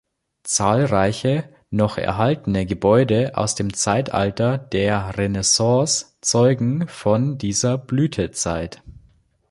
Zahlreiche noch erhaltene Gebäude aus dem Zeitalter der Renaissance zeugen von dieser Blütezeit.